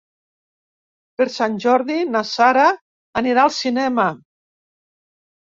Per Sant Jordi na Sara anirà al cinema.